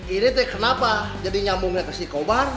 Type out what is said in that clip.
ini teh kenapa jadi nyambungnya ke si kobar